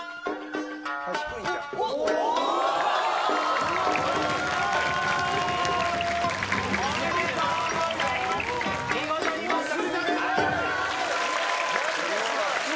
おー！おめでとうございます。